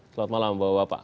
selamat malam bapak bapak